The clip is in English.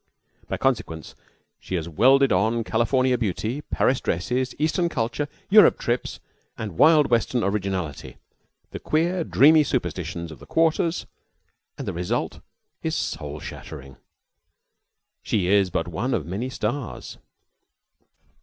By consequence she has welded on California beauty, Paris dresses, Eastern culture, Europe trips, and wild Western originality, the queer, dreamy superstitions of the quarters, and the result is soul shattering. And she is but one of many stars.